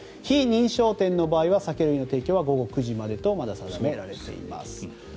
非認証店の場合は酒類の提供は午後９時までと定められています。